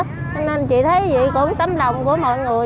cho nên chị thấy vậy cũng tấm lòng của mọi người